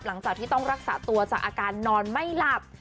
หลังจากที่ต้องรักษาตัวจากอาการนอนไม่หลับ